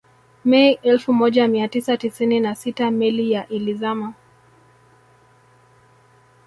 Mei elfu moja mia tisa tisini na sita meli ya ilizama